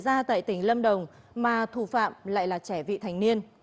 vụ án mạng vừa xảy ra tại tỉnh lâm đồng mà thủ phạm lại là trẻ vị thành niên